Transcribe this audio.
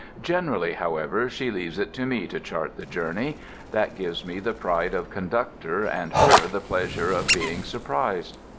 Generally, however, she leaves it to me to chart the journey. That gives me the pride of conductor and her the pleasure of being surprised.